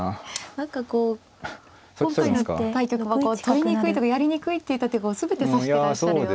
何かこう今回の対局は取りにくいとかやりにくいっていった手を全て指してらっしゃるような。